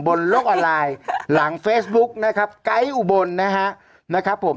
บนโลกออนไลน์หลังเฟซบุ๊กนะครับไกด์อุบลนะฮะนะครับผม